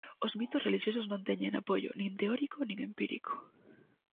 Os mitos relixiosos non teñen apoio nin teórico nin empírico.